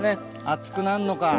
暑くなんのか。